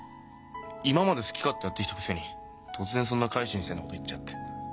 今まで好き勝手やってきたくせに突然そんな改心したようなこと言っちゃって。